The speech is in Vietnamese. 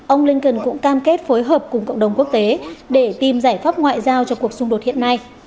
ông blinken cũng cam kết phối hợp cùng cộng đồng quốc tế để tìm giải pháp ngoại giao cho cuộc xung đột hiện nay